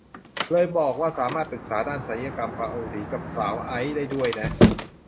บอกเลยว่าสามารถปรึกษาด้านศัลยกรรมเกาหลีกับสาวไอซ์ได้ด้วยนะ